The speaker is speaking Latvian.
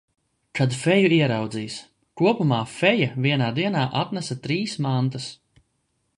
Kad feju ieraudzīs. Kopumā feja vienā dienā atnesa trīs mantas.